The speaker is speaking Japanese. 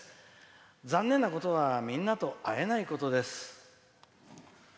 残念なことはみんなと会えないことです」。